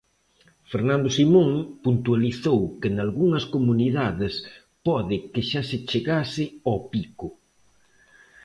Fernando Simón puntualizou que nalgunhas comunidades pode que xa se chegase ao pico.